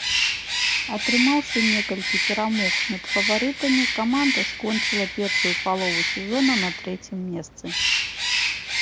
Атрымаўшы некалькі перамог над фаварытамі, каманда скончыла першую палову сезона на трэцім месцы.